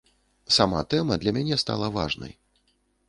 Сама тэма для мяне стала важнай.